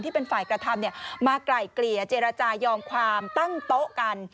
ที่เป็นฝ่ายกระทำมาไกล่เกลี่ยเจรจายอมความตั้งโต๊ะกัน